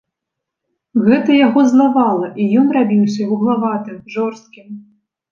Гэта яго злавала, і ён рабіўся вуглаватым, жорсткім.